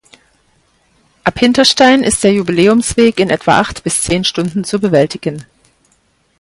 Ab Hinterstein ist der Jubiläumsweg in etwa acht bis zehn Stunden zu bewältigen.